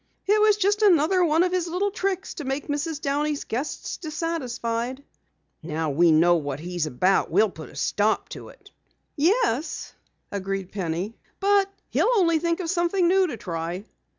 "It was just another one of his little tricks to make Mrs. Downey's guests dissatisfied." "Now we know what he's about we'll put a stop to it!" "Yes," agreed Penny, "but he'll only think of something new to try."